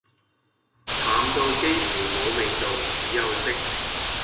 淡到幾乎無味道只有色